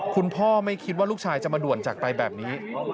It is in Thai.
คุณพ่อไม่คิดว่าลูกชายจะมาด่วนจากไปแบบนี้